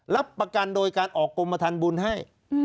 รับประกันโดยการออกกรมฐานบุญให้